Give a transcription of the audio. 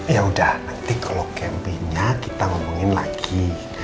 ya udah nanti kalau campingnya kita ngomongin lagi